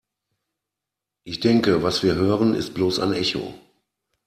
Ich denke, was wir hören, ist bloß ein Echo.